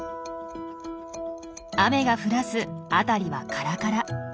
雨が降らず辺りはカラカラ。